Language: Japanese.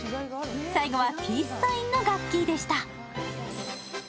最後はピースサインのガッキーでした。